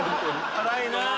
辛いな。